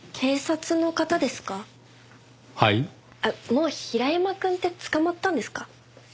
もう平山くんって捕まったんですか？